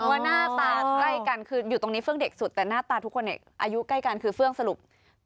ว่าหน้าตาใกล้กันคืออยู่ตรงนี้เฟื่องเด็กสุดแต่หน้าตาทุกคนอายุใกล้กันคือเฟื่องสรุป